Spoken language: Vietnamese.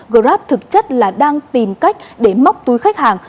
grab thực chất là đang tìm cách để móc túi khách hàng